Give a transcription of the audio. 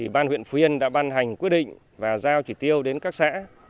ban huyện phú yên đã ban hành quyết định và giao chỉ tiêu đến các xã